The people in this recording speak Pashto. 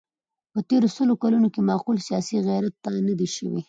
په تېرو سلو کلونو کې معقول سیاسي غیرت نه دی شوی.